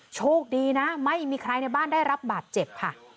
โชคดีนะไม่มีใครในบ้านได้รับบาดเจ็บค่ะ